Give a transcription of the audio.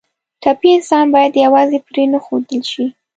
ټپي انسان باید یوازې پرېنښودل شي.